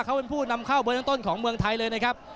เขาเป็นผู้นำเข้าเบอร์ต้นของเมืองไทยเลยนะครับ